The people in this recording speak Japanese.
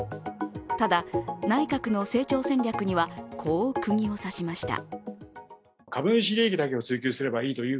ただ、内閣の成長戦略にはこうくぎを刺しました。